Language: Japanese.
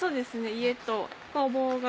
家と工房が。